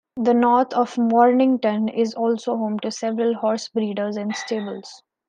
The north of Mornington is also home to several horse breeders and stables.